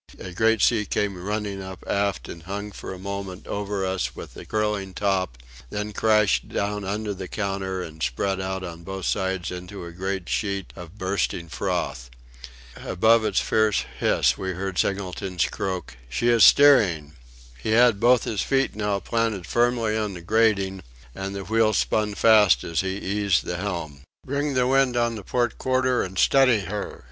A great sea came running up aft and hung for a moment over us with a curling top; then crashed down under the counter and spread out on both sides into a great sheet of bursting froth. Above its fierce hiss we heard Singleton's croak: "She is steering!" He had both his feet now planted firmly on the grating, and the wheel spun fast as he eased the helm. "Bring the wind on the port quarter and steady her!"